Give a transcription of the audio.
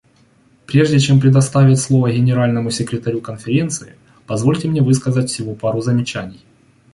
Прежде чем предоставить слово Генеральному секретарю Конференции, позвольте мне высказать всего пару замечаний.